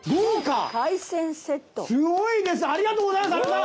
すごいですありがとうございます阿部さん。